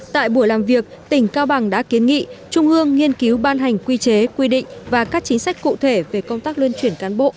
tại buổi làm việc tỉnh cao bằng đã kiến nghị trung ương nghiên cứu ban hành quy chế quy định và các chính sách cụ thể về công tác luân chuyển cán bộ